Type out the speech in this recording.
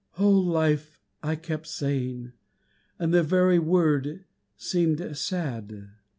Oh, Life!" I kept saying, And the very word seemed sad.